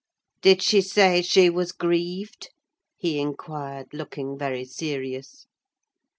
"Did she say she was grieved?" he inquired, looking very serious.